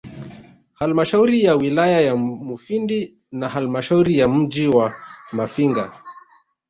Halmashauri ya wilaya ya Mufindi na Halmashauri ya mji wa Mafinga